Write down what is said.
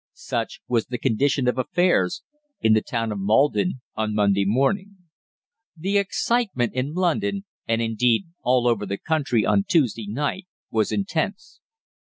Such was the condition of affairs in the town of Maldon on Monday morning. The excitement in London, and indeed all over the country, on Tuesday night was intense.